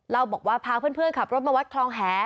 เราบอกว่าพาเพื่อนขับรถมาวัดคลองแห